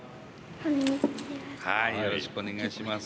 よろしくお願いします。